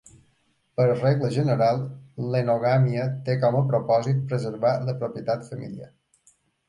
Per regla general, l'henogàmia té com a propòsit preservar la propietat familiar.